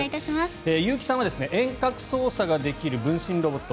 結城さんは遠隔操作ができる分身ロボット